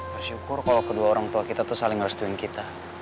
bersyukur kalau kedua orang tua kita tuh saling ngerestuin kita